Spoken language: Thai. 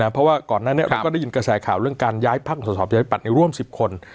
เพราะว่าก่อนนั้นเราก็ได้ยินกระแสข่าวเรื่องการย้ายพักของสอบประชาธิปัตย์ร่วม๑๐คน